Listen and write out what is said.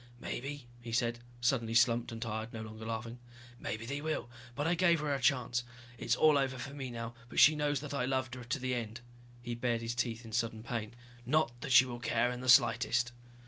"Maybe," he said, suddenly slumped and tired, no longer laughing. "Maybe they will. But I gave her her chance. It is all over for me now, but she knows that I loved her to the end." He bared his teeth in sudden pain. "Not that she will care in the slightest."